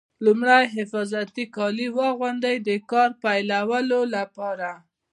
لومړی حفاظتي کالي واغوندئ د کار پیلولو لپاره.